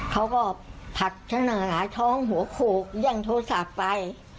เขาก็ผัดฉันหลายท้องหัวโขกยั่งโทษศาสตร์ไป